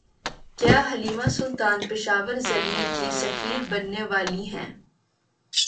کیا حلیمہ سلطان پشاور زلمی کی سفیر بننے والی ہیں